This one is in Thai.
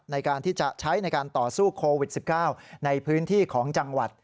ในการที่จะใช้ในการต่อสู้โควิด๑๙ในพื้นที่ของจังหวัด